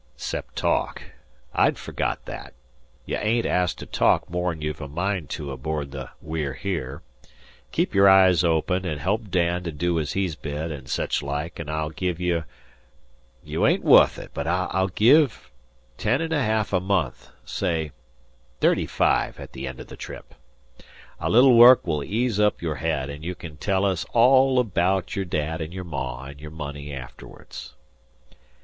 "Excep' talk. I'd forgot that. You ain't asked to talk more'n you've a mind to aboard the We're Here. Keep your eyes open, an' help Dan to do ez he's bid, an' sechlike, an' I'll give you you ain't wuth it, but I'll give ten an' a ha'af a month; say thirty five at the end o' the trip. A little work will ease up your head, and you kin tell us all abaout your dad an' your ma an' your money afterwards."